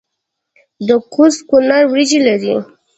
د کوز کونړ وریجې لري